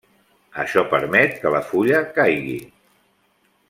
Això permet que la fulla caigui.